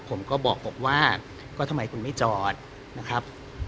ผมก็บอกผมว่าก็ทำไมคุณไม่จอดนะครับ